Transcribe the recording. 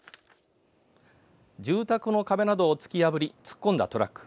住宅の壁などを突き破り突っ込んだトラック。